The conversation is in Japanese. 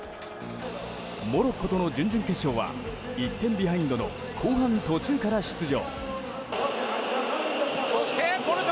モロッコの準々決勝は１点ビハインドの後半途中から出場。